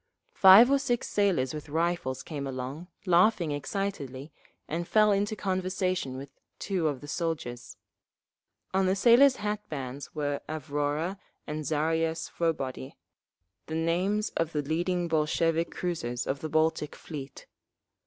Five or six sailors with rifles came along, laughing excitedly, and fell into conversation with two of the soldiers. On the sailors' hat bands were Avrora and Zaria Svobody,—the names of the leading Bolshevik cruisers of the Baltic Fleet.